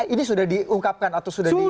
ini sudah diungkapkan atau sudah diungkap